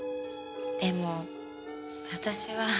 でも私は。